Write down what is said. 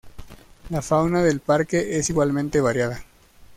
La fauna del parque es igualmente variada.